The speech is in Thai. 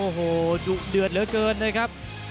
โอ้โหดุเดือดเหลือเกินนะครับ